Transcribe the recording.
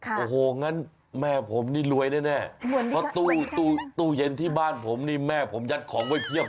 โอ้โหงั้นแม่ผมนี่รวยแน่เพราะตู้เย็นที่บ้านผมนี่แม่ผมยัดของไว้เพียบ